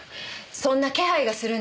そんな気配がするんです。